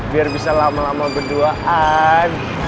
biar bisa lama lama berduaan